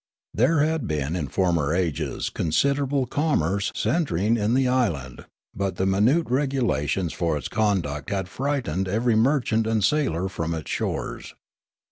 There had been in former ages considerable commerce centring in the island ; but the minute regulations for its conduct had frightened every merchant and sailor from its shores.